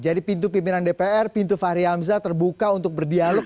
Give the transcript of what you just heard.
jadi pintu pimpinan dpr pintu fahri hamzah terbuka untuk berdialog